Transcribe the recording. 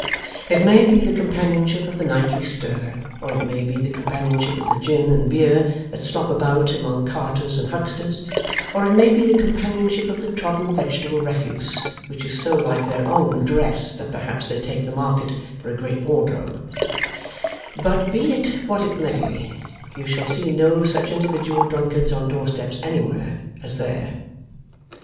It may be the companionship of the nightly stir, or it may be the companionship of the gin and beer that slop about among carters and hucksters, or it may be the companionship of the trodden vegetable refuse which is so like their own dress that perhaps they take the Market for a great wardrobe; but be it what it may, you shall see no such individual drunkards on doorsteps anywhere, as there.